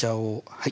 はい。